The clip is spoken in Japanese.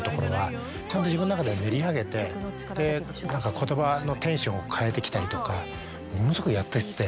言葉のテンションを変えてきたりとかものすごくやってて。